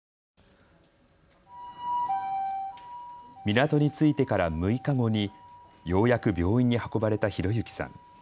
港に着いてから６日後にようやく病院に運ばれた碩之さん。